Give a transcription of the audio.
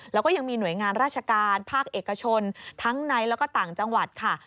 แล้วก็ยังมีหน่วยงานราชการภาคเอกชนทั้งในแล้วก็ต่างจังหวัดค่ะ